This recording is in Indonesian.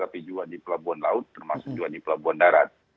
tapi juga di pelabuhan laut termasuk juga di pelabuhan darat